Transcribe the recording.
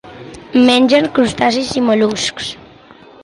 Mengen crustacis i mol·luscs.